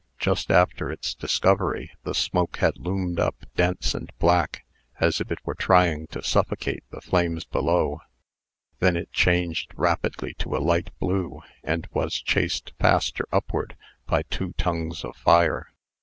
Just after its discovery, the smoke had loomed up dense and black, as if it were trying to suffocate the flames beneath. Then it changed rapidly to a light blue, and was chased faster upward by two tongues of fire.